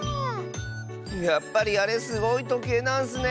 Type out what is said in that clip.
やっぱりあれすごいとけいなんスね。